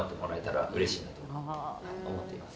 思っています。